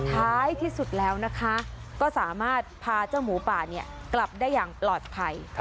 ท้ายที่สุดแล้วนะคะก็สามารถพาเจ้าหมูป่ากลับได้อย่างปลอดภัย